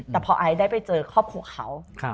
แต่พอไอซ์ได้ไปเจอครอบครัวเขา